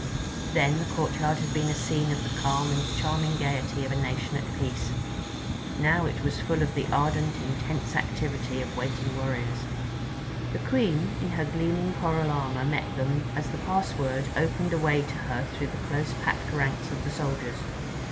Then the courtyard had been a scene of the calm and charming gaiety of a nation at peace; now it was full of the ardent, intense inactivity of waiting warriors. The Queen in her gleaming coral armor met them as the password opened a way to her through the close packed ranks of the soldiers.